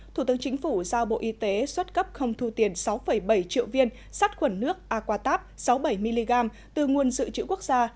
thủ tướng chính phủ giao bộ y tế xuất cấp không thu tiền sáu bảy triệu viên sát khuẩn nước aquatab sáu mươi bảy mg từ nguồn dự trữ quốc gia